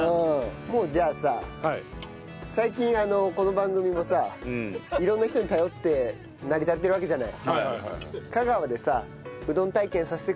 もうじゃあさ最近この番組もさ色んな人に頼って成り立ってるわけじゃない。